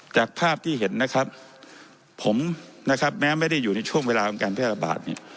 จากภาพที่เห็นนะครับผมนะครับแม้ไม่ได้อยู่ในช่วงเวลาของการแพร่ระบาดเนี่ย